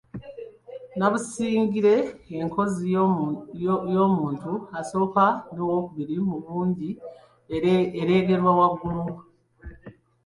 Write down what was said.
nnabusigire enkozi ey’omuntu asooka n’ow’okubiri mu bungi ereegerwa waggulu